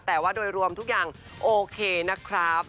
แต่ว่าโดยรวมทุกอย่างโอเคนะครับ